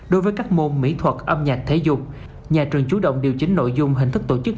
đối với các môn mỹ thuật âm nhạc thể dục nhà trường chủ động điều chính nội dung hình thức tổ chức